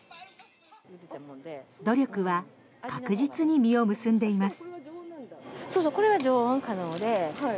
努力は確実に実を結んでいます。